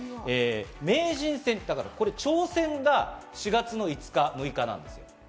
名人戦、挑戦が４月の５日、６日なんです。